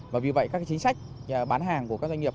và vì vậy các chính sách bán hàng của các doanh nghiệp